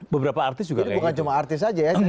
beberapa artis juga kayak gitu